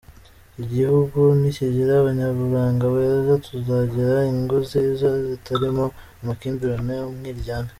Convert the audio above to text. Igihugu nikigira abanyaburanga beza, tuzagira ingo nziza zitarimo amakimbirane, umwiryane,.